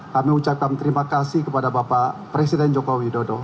kami ucapkan terima kasih kepada bapak presiden jokowi dodo